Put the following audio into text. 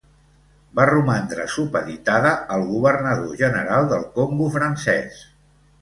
Va romandre supeditada al governador general del Congo Francès.